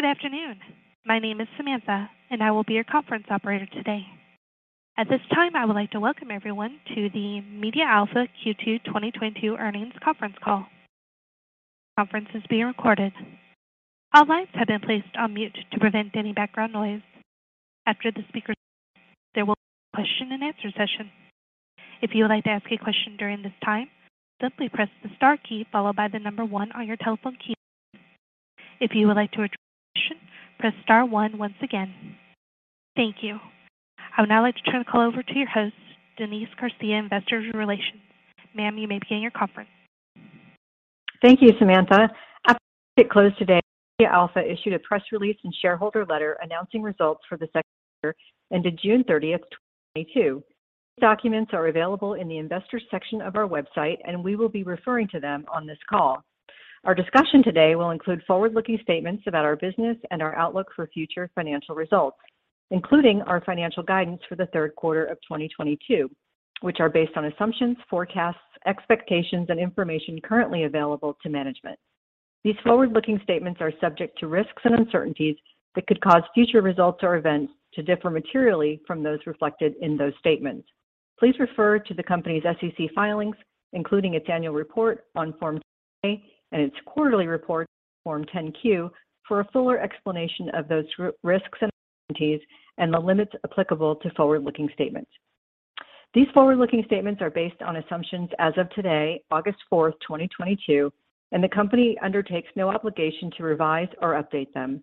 Good afternoon. My name is Samantha, and I will be your conference operator today. At this time, I would like to welcome everyone to the MediaAlpha Q2 2022 Earnings Conference Call. Conference is being recorded. All lines have been placed on mute to prevent any background noise. After the speakers, there will be a question and answer session. If you would like to ask a question during this time, simply press the star key followed by the number one on your telephone keypad. If you would like to withdraw your question, press star one once again. Thank you. I would now like to turn the call over to your host, Denise Garcia, Investor Relations. Ma'am, you may begin your conference. Thank you, Samantha. After it closed today, MediaAlpha issued a press release and shareholder letter announcing results for the second quarter ended June 30, 2022. These documents are available in the investors section of our website, and we will be referring to them on this call. Our discussion today will include forward-looking statements about our business and our outlook for future financial results, including our financial guidance for the third quarter of 2022, which are based on assumptions, forecasts, expectations, and information currently available to management. These forward-looking statements are subject to risks and uncertainties that could cause future results or events to differ materially from those reflected in those statements. Please refer to the company's SEC filings, including its annual report on Form 10-K and its quarterly report on Form 10-Q, for a fuller explanation of those risks and uncertainties and the limits applicable to forward-looking statements. These forward-looking statements are based on assumptions as of today, August 4, 2022, and the company undertakes no obligation to revise or update them.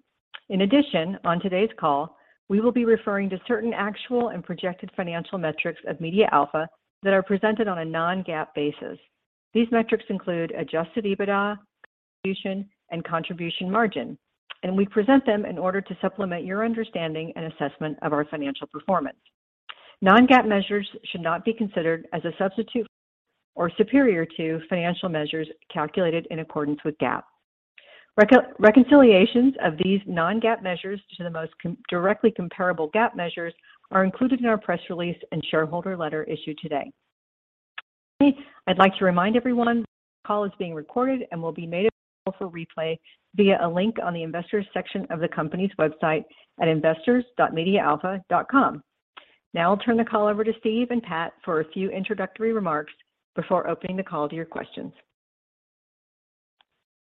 In addition, on today's call, we will be referring to certain actual and projected financial metrics of MediaAlpha that are presented on a non-GAAP basis. These metrics include Adjusted EBITDA, contribution, and contribution margin, and we present them in order to supplement your understanding and assessment of our financial performance. Non-GAAP measures should not be considered as a substitute for or superior to financial measures calculated in accordance with GAAP. Reconciliations of these non-GAAP measures to the most directly comparable GAAP measures are included in our press release and shareholder letter issued today. I'd like to remind everyone this call is being recorded and will be made available for replay via a link on the investors section of the company's website at investors.mediaalpha.com. Now I'll turn the call over to Steve and Pat for a few introductory remarks before opening the call to your questions.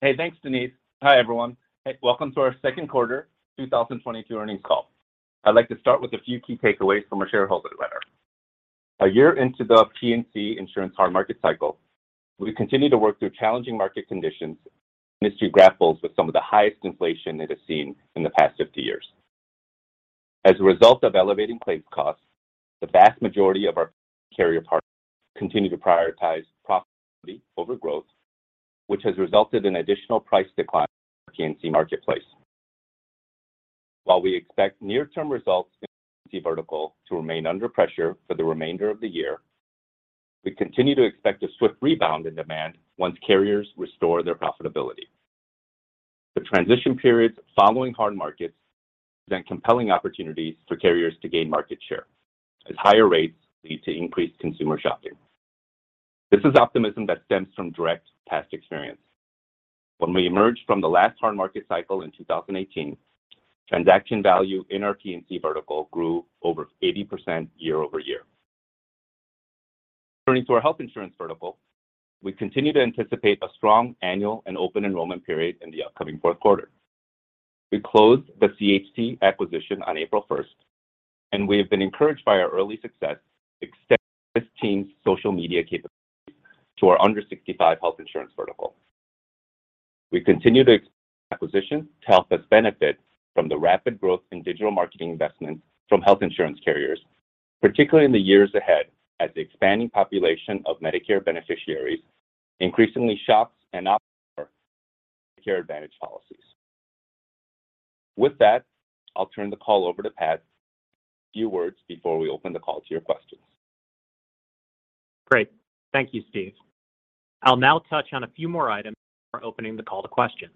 Hey, thanks, Denise. Hi, everyone. Welcome to our Second Quarter 2022 Earnings Call. I'd like to start with a few key takeaways from our shareholder letter. A year into the P&C insurance hard market cycle, we continue to work through challenging market conditions as the industry grapples with some of the highest inflation it has seen in the past 50 years. As a result of elevated claims costs, the vast majority of our carrier partners continue to prioritize profitability over growth, which has resulted in additional price declines in the P&C marketplace. While we expect near-term results in the P&C vertical to remain under pressure for the remainder of the year, we continue to expect a swift rebound in demand once carriers restore their profitability. The transition periods following hard markets present compelling opportunities for carriers to gain market share as higher rates lead to increased consumer shopping. This is optimism that stems from direct past experience. When we emerged from the last hard market cycle in 2018, transaction value in our P&C vertical grew over 80% year-over-year. Turning to our health insurance vertical, we continue to anticipate a strong annual and open enrollment period in the upcoming fourth quarter. We closed the CHT acquisition on April 1st, and we have been encouraged by our early success extending this team's social media capabilities to our under 65 health insurance vertical. We continue to expect the acquisition to help us benefit from the rapid growth in digital marketing investments from health insurance carriers, particularly in the years ahead as the expanding population of Medicare beneficiaries increasingly shops and opts for Medicare Advantage policies. With that, I'll turn the call over to Pat to say a few words before we open the call to your questions. Great. Thank you, Steve. I'll now touch on a few more items before opening the call to questions.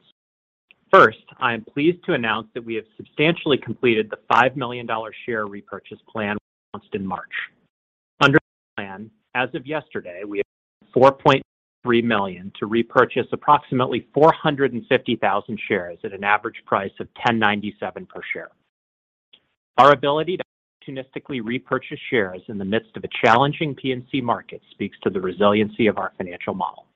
First, I am pleased to announce that we have substantially completed the $5 million share repurchase plan we announced in March. Under the plan, as of yesterday, we have used $4.23 million to repurchase approximately 450,000 shares at an average price of $10.97 per share. Our ability to opportunistically repurchase shares in the midst of a challenging P&C market speaks to the resiliency of our financial model.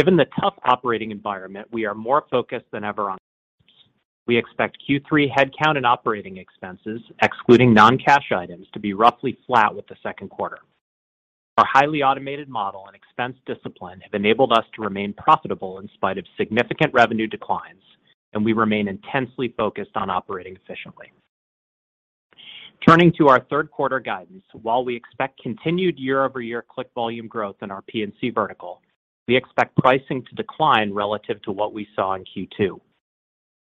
Given the tough operating environment, we are more focused than ever on costs. We expect Q3 headcount and operating expenses, excluding non-cash items, to be roughly flat with the second quarter. Our highly automated model and expense discipline have enabled us to remain profitable in spite of significant revenue declines, and we remain intensely focused on operating efficiently. Turning to our third quarter guidance, while we expect continued year-over-year click volume growth in our P&C vertical, we expect pricing to decline relative to what we saw in Q2.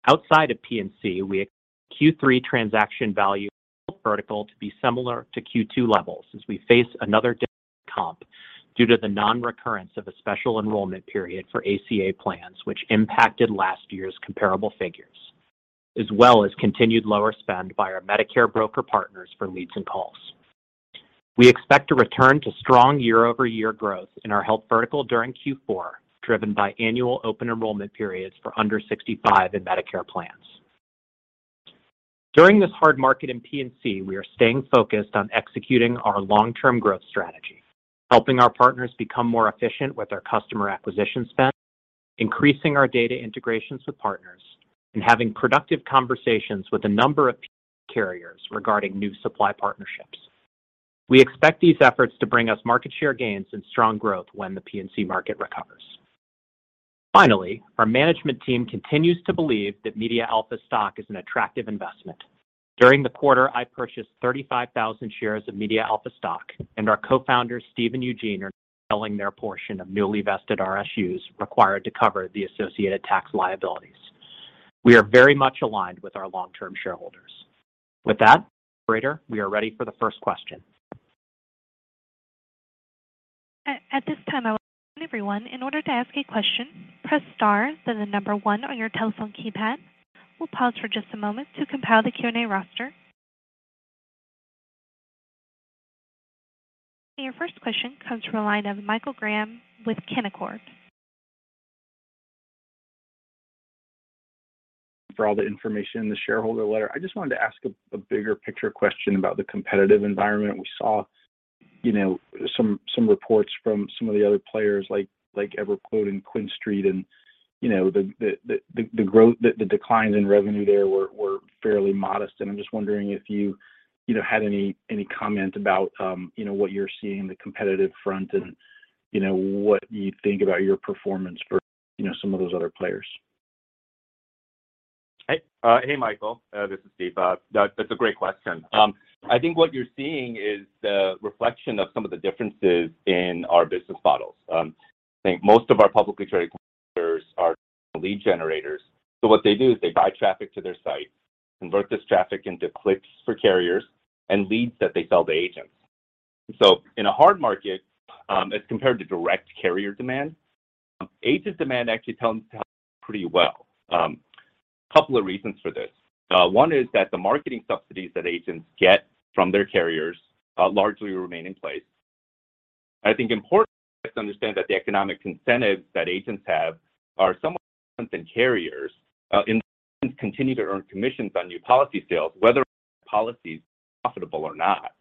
Outside of P&C, we expect Q3 transaction value in our health vertical to be similar to Q2 levels as we face another difficult comp due to the non-recurrence of a special enrollment period for ACA plans which impacted last year's comparable figures, as well as continued lower spend by our Medicare broker partners for leads and calls. We expect to return to strong year-over-year growth in our health vertical during Q4, driven by annual open enrollment periods for under 65 in Medicare plans. During this hard market in P&C, we are staying focused on executing our long-term growth strategy, helping our partners become more efficient with our customer acquisition spend, increasing our data integrations with partners, and having productive conversations with a number of carriers regarding new supply partnerships. We expect these efforts to bring us market share gains and strong growth when the P&C market recovers. Finally, our management team continues to believe that MediaAlpha stock is an attractive investment. During the quarter, I purchased 35,000 shares of MediaAlpha stock, and our cofounders, Steve and Eugene, are selling their portion of newly vested RSUs required to cover the associated tax liabilities. We are very much aligned with our long-term shareholders. With that, operator, we are ready for the first question. At this time, I would like to welcome everyone. In order to ask a question, press star, then the number one on your telephone keypad. We'll pause for just a moment to compile the Q&A roster. Your first question comes from a line of Michael Graham with Canaccord. For all the information in the shareholder letter, I just wanted to ask a bigger picture question about the competitive environment. We saw, you know, some reports from some of the other players like EverQuote and QuinStreet and, you know, the declines in revenue there were fairly modest. I'm just wondering if you know, had any comment about, you know, what you're seeing in the competitive front and, you know, what you think about your performance versus, you know, some of those other players. Hey, Michael. This is Steve. That's a great question. I think what you're seeing is the reflection of some of the differences in our business models. I think most of our publicly traded competitors are lead generators. What they do is they buy traffic to their site, convert this traffic into clicks for carriers, and leads that they sell to agents. In a hard market, as compared to direct carrier demand, agent demand actually tends to hold up pretty well. A couple of reasons for this. One is that the marketing subsidies that agents get from their carriers largely remain in place. I think importantly, just understand that the economic incentives that agents have are somewhat different than carriers. Agents continue to earn commissions on new policy sales, whether or not the policy is profitable or not.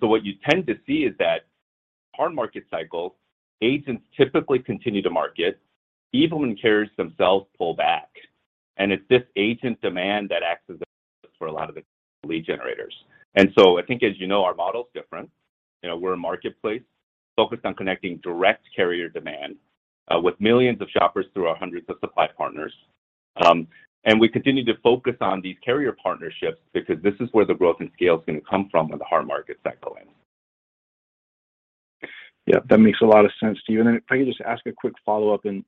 What you tend to see is that in hard market cycles, agents typically continue to market even when carriers themselves pull back. It's this agent demand that acts as a buffer for a lot of the lead generators. I think as you know, our model's different. You know, we're a marketplace focused on connecting direct carrier demand with millions of shoppers through our hundreds of supply partners. We continue to focus on these carrier partnerships because this is where the growth and scale is gonna come from when the hard market cycle ends. Yeah, that makes a lot of sense to you. Then if I could just ask a quick follow-up and,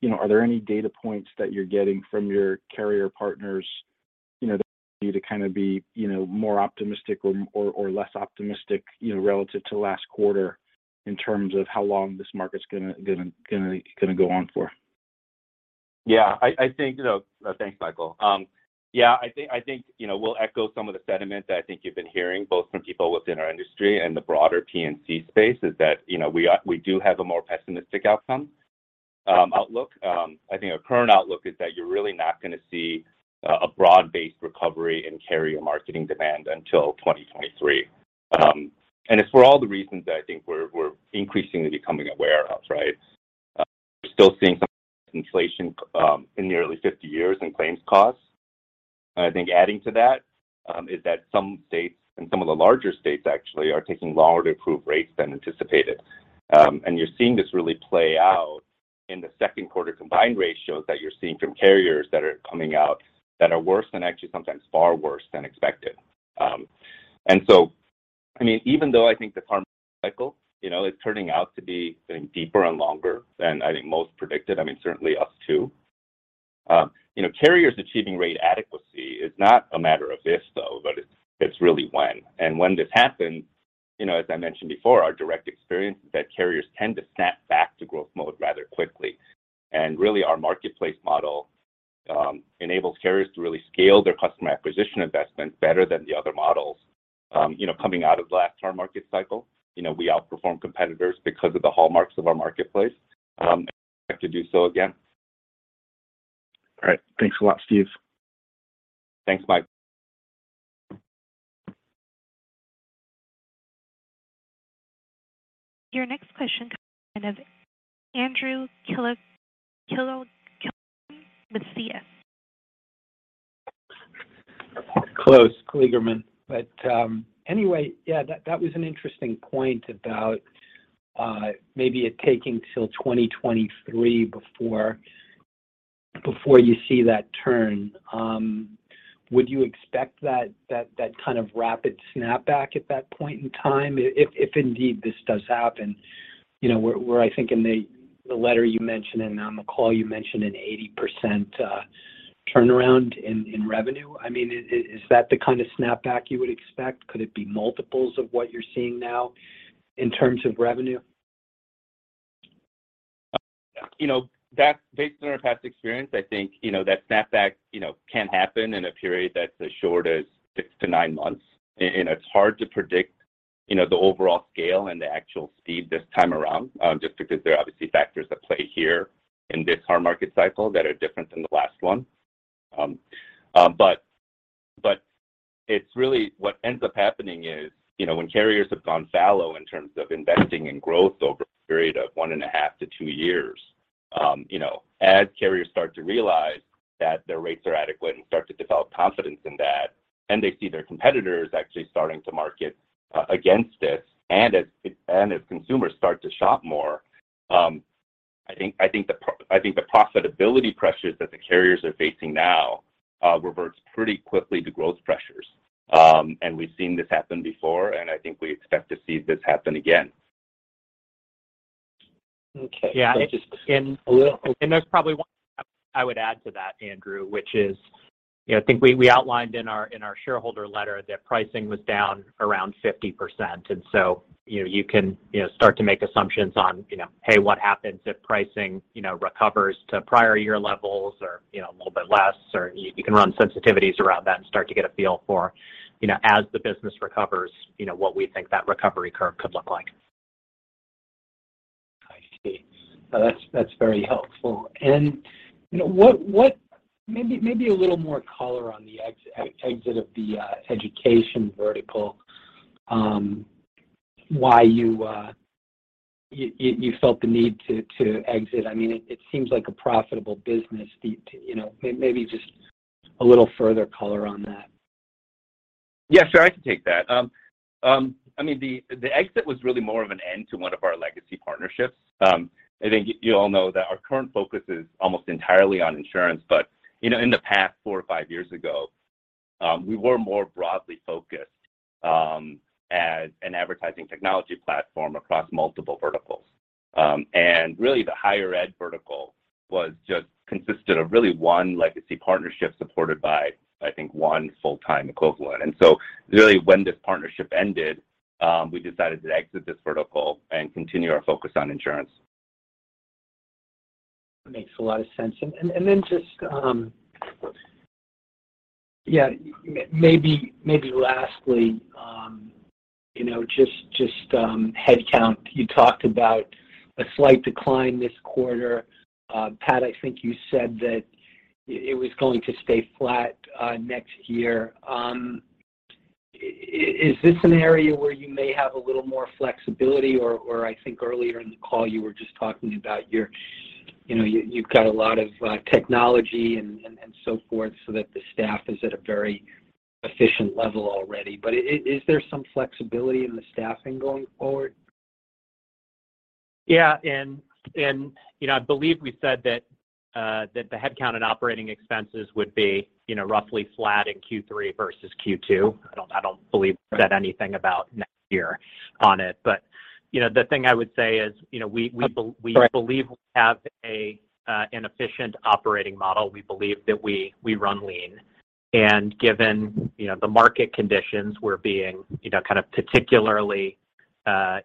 you know, are there any data points that you're getting from your carrier partners, you know, that cause you to kind of be, you know, more optimistic or less optimistic, you know, relative to last quarter in terms of how long this market's gonna go on for? Thanks, Michael. I think we'll echo some of the sentiment that I think you've been hearing both from people within our industry and the broader P&C space is that we do have a more pessimistic outcome, outlook. I think our current outlook is that you're really not gonna see a broad-based recovery in carrier marketing demand until 2023. It's for all the reasons that I think we're increasingly becoming aware of, right? We're still seeing some of the highest inflation in nearly 50 years in claims costs. I think adding to that is that some states and some of the larger states actually are taking longer to approve rates than anticipated. You're seeing this really play out in the second quarter combined ratio that you're seeing from carriers that are coming out that are worse than actually sometimes far worse than expected. I mean, even though I think the hard market cycle, you know, is turning out to be, I think, deeper and longer than I think most predicted, I mean, certainly us too. You know, carriers achieving rate adequacy is not a matter of if so, but it's really when. When this happens, you know, as I mentioned before, our direct experience is that carriers tend to snap back to growth mode rather quickly. Really our marketplace model enables carriers to really scale their customer acquisition investment better than the other models. You know, coming out of the last hard market cycle, you know, we outperformed competitors because of the hallmarks of our marketplace, and we expect to do so again. All right. Thanks a lot, Steve. Thanks, Mike. Your next question comes from Andrew Kligerman with TD Cowen Close, Kligerman. Anyway, yeah, that was an interesting point about maybe it taking till 2023 before you see that turn. Would you expect that kind of rapid snapback at that point in time if indeed this does happen? You know, where I think in the letter you mentioned, and on the call you mentioned an 80% turnaround in revenue. I mean, is that the kind of snapback you would expect? Could it be multiples of what you're seeing now in terms of revenue? You know, that's based on our past experience. I think, you know, that snapback, you know, can happen in a period that's as short as six to nine months. It's hard to predict, you know, the overall scale and the actual speed this time around, just because there are obviously factors at play here in this hard market cycle that are different than the last one. It's really what ends up happening is, you know, when carriers have gone fallow in terms of investing in growth over a period of 1.5-2 years, you know, as carriers start to realize that their rates are adequate and start to develop confidence in that, and they see their competitors actually starting to market against this, and as consumers start to shop more, I think the profitability pressures that the carriers are facing now reverts pretty quickly to growth pressures. We've seen this happen before, and I think we expect to see this happen again. Okay. Yeah. There's probably one thing I would add to that, Andrew, which is, you know, I think we outlined in our shareholder letter that pricing was down around 50%. You know, you can start to make assumptions on, you know, what happens if pricing recovers to prior year levels or a little bit less, or you can run sensitivities around that and start to get a feel for, you know, as the business recovers, you know, what we think that recovery curve could look like. I see. That's very helpful. You know, what—maybe a little more color on the exit of the education vertical, why you felt the need to exit. I mean, it seems like a profitable business. You know, maybe just a little further color on that. Yeah, sure. I can take that. I mean, the exit was really more of an end to one of our legacy partnerships. I think you all know that our current focus is almost entirely on insurance. You know, in the past four or five years ago, we were more broadly focused as an advertising technology platform across multiple verticals. Really, the higher ed vertical was just consisted of really one legacy partnership supported by, I think, one full-time equivalent. Really, when this partnership ended, we decided to exit this vertical and continue our focus on insurance. Makes a lot of sense. Just maybe lastly, you know, just headcount. You talked about a slight decline this quarter. Pat, I think you said that it was going to stay flat next year. Is this an area where you may have a little more flexibility? I think earlier in the call you were just talking about your, you know, you've got a lot of technology and so forth so that the staff is at a very efficient level already. Is there some flexibility in the staffing going forward? Yeah. You know, I believe we said that the headcount and operating expenses would be, you know, roughly flat in Q3 versus Q2. I don't believe we said anything about next year on it. You know, the thing I would say is, you know, we Correct. We believe we have an efficient operating model. We believe that we run lean. Given you know the market conditions, we're being you know kind of particularly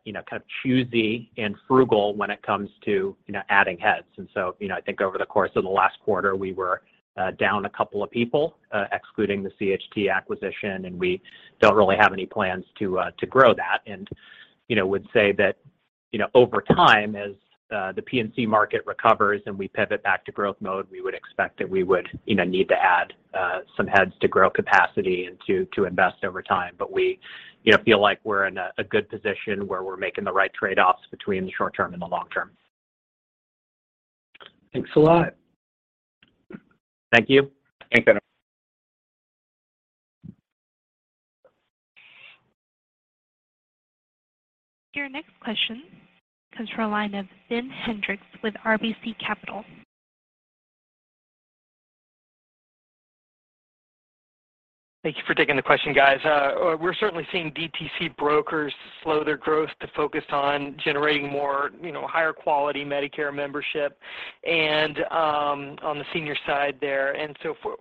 you know kind of choosy and frugal when it comes to you know adding heads. You know I think over the course of the last quarter, we were down a couple of people excluding the CHT acquisition, and we don't really have any plans to grow that. You know would say that you know over time, as the P&C market recovers and we pivot back to growth mode, we would expect that we would you know need to add some heads to grow capacity and to invest over time. We, you know, feel like we're in a good position where we're making the right trade-offs between the short term and the long term. Thanks a lot. Thank you. Thanks, Andrew Kligerman. Your next question comes from the line of Ben Hendrix with RBC Capital Markets. Thank you for taking the question, guys. We're certainly seeing DTC brokers slow their growth to focus on generating more, you know, higher quality Medicare membership and on the senior side there.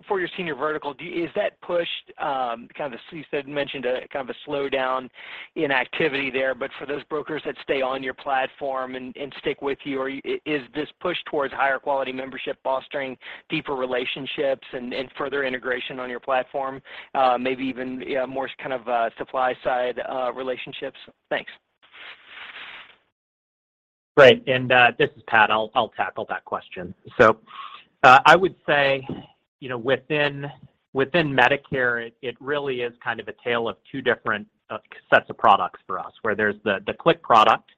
For your senior vertical, is that push kind of as you mentioned a kind of slowdown in activity there, but for those brokers that stay on your platform and stick with you, or is this push towards higher quality membership fostering deeper relationships and further integration on your platform, maybe even more kind of supply side relationships? Thanks. Great. This is Patrick Thompson. I'll tackle that question. I would say, you know, within Medicare, it really is kind of a tale of two different sets of products for us, where there's the click product,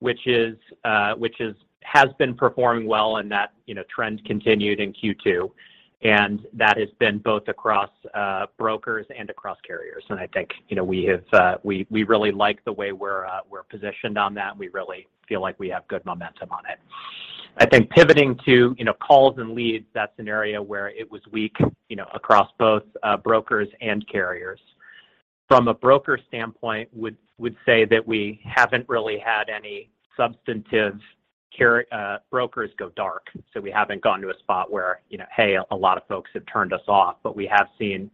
which has been performing well, and that, you know, trend continued in Q2. That has been both across brokers and across carriers. I think, you know, we really like the way we're positioned on that. We really feel like we have good momentum on it. I think pivoting to, you know, calls and leads, that's an area where it was weak, you know, across both brokers and carriers. From a broker standpoint, I would say that we haven't really had any substantive carriers or brokers go dark. We haven't gotten to a spot where, you know, hey, a lot of folks have turned us off. We have seen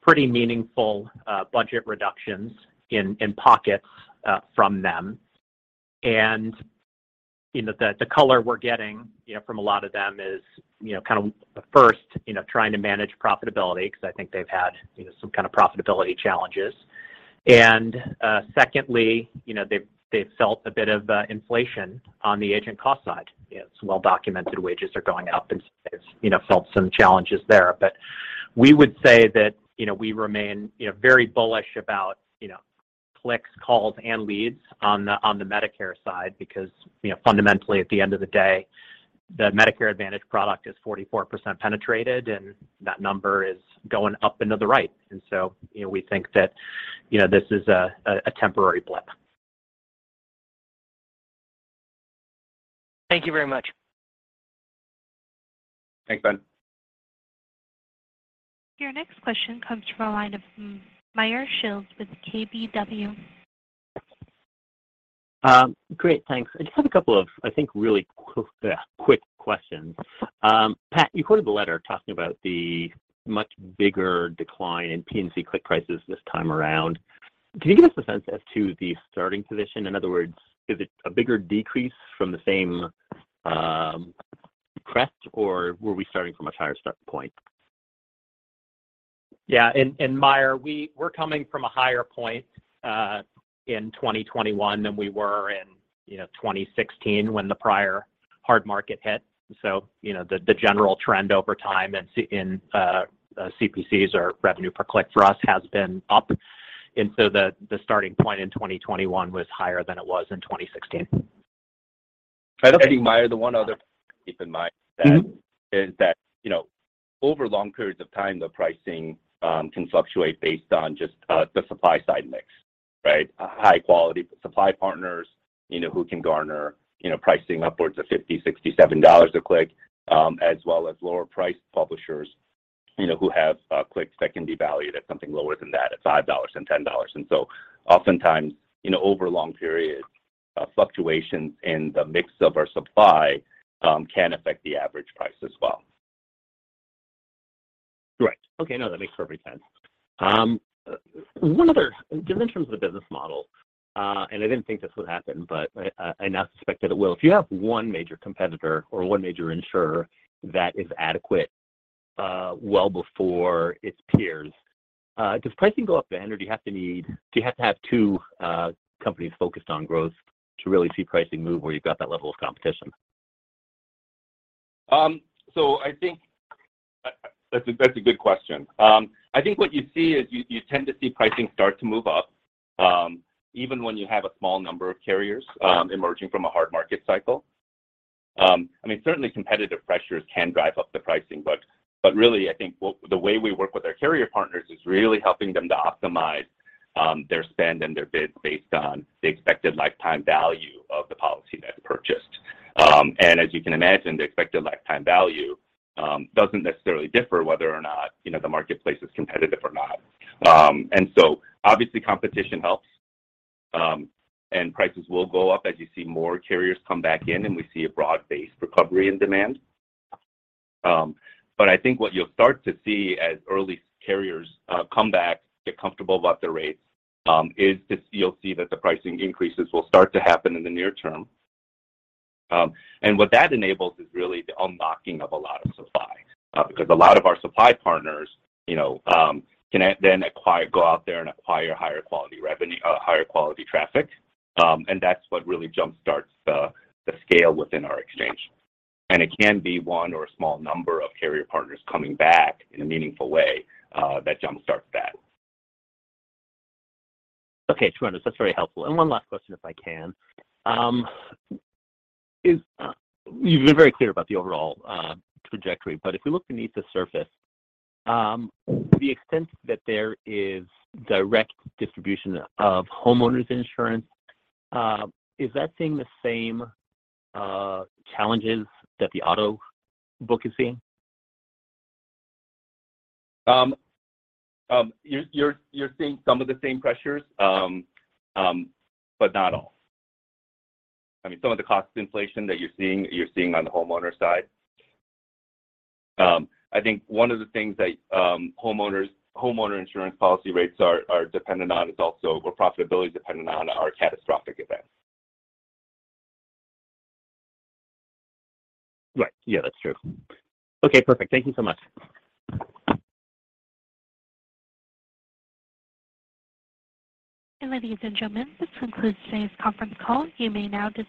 pretty meaningful budget reductions in pockets from them. You know, the color we're getting, you know, from a lot of them is, you know, kind of first, you know, trying to manage profitability 'cause I think they've had, you know, some kind of profitability challenges. Secondly, you know, they've felt a bit of inflation on the agent cost side. It's well-documented, wages are going up, and so they've felt some challenges there. We would say that, you know, we remain, you know, very bullish about, you know, clicks, calls, and leads on the Medicare side because, you know, fundamentally at the end of the day, the Medicare Advantage product is 44% penetrated, and that number is going up and to the right. We think that, you know, this is a temporary blip. Thank you very much. Thanks, Ben. Your next question comes from a line of Meyer Shields with KBW. Great. Thanks. I just have a couple of, I think, really quick questions. Pat, you quoted the letter talking about the much bigger decline in P&C click prices this time around. Can you give us a sense as to the starting position? In other words, is it a bigger decrease from the same crest, or were we starting from a higher start point? Yeah. Meyer, we're coming from a higher point in 2021 than we were in, you know, 2016 when the prior hard market hit. You know, the general trend over time in CPCs or revenue per click for us has been up. The starting point in 2021 was higher than it was in 2016. I think, Meyer, the one other thing to keep in mind is that, you know, over long periods of time, the pricing can fluctuate based on just the supply side mix, right? High quality supply partners, you know, who can garner, you know, pricing upwards of $50-$67 a click, as well as lower priced publishers, you know, who have clicks that can devalue to something lower than that, at $5 and $10. Oftentimes, you know, over long periods, fluctuations in the mix of our supply can affect the average price as well. Right. Okay, no, that makes perfect sense. One other. Just in terms of the business model, and I didn't think this would happen, but I now suspect that it will. If you have one major competitor or one major insurer that is adequate, well before its peers, does pricing go up then, or do you have to have two companies focused on growth to really see pricing move where you've got that level of competition? I think that's a good question. I think what you see is you tend to see pricing start to move up, even when you have a small number of carriers, emerging from a hard market cycle. I mean, certainly competitive pressures can drive up the pricing, but really I think the way we work with our carrier partners is really helping them to optimize their spend and their bids based on the expected lifetime value of the policy that's purchased. As you can imagine, the expected lifetime value doesn't necessarily differ whether or not, you know, the marketplace is competitive or not. Obviously competition helps, and prices will go up as you see more carriers come back in, and we see a broad-based recovery in demand. I think what you'll start to see as early carriers come back, get comfortable about their rates, is you'll see that the pricing increases will start to happen in the near term. What that enables is really the unlocking of a lot of supply, because a lot of our supply partners, you know, can go out there and acquire higher quality revenue, higher quality traffic, and that's what really jumpstarts the scale within our exchange. It can be one or a small number of carrier partners coming back in a meaningful way, that jumpstarts that. Okay, Steve, that's very helpful. One last question if I can. You've been very clear about the overall trajectory, but if we look beneath the surface, to the extent that there is direct distribution of homeowners insurance, is that seeing the same challenges that the auto book is seeing? You're seeing some of the same pressures, but not all. I mean, some of the cost inflation that you're seeing, you're seeing on the homeowner side. I think one of the things that homeowner insurance policy rates are dependent on is also or profitability dependent on are catastrophic events. Right. Yeah, that's true. Okay, perfect. Thank you so much. Ladies and gentlemen, this concludes today's conference call. You may now dis-